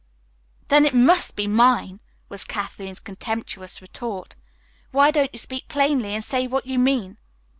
"Then it must be mine," was Kathleen's contemptuous retort. "Why don't you speak plainly and say what you mean?"